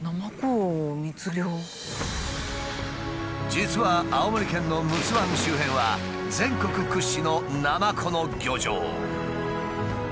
実は青森県の陸奥湾周辺は全国屈指のナマコの漁場。